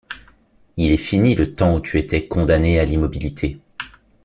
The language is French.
Il est fini le temps où tu étais condamné à l’immobilité.